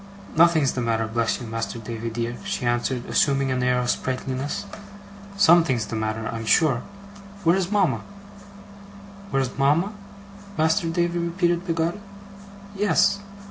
'Nothing's the matter, bless you, Master Davy dear!' she answered, assuming an air of sprightliness. 'Something's the matter, I'm sure. Where's mama?' 'Where's mama, Master Davy?' repeated Peggotty. 'Yes.